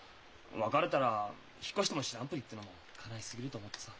別れたら引っ越しても知らんぷりってのも悲しすぎると思ってさ。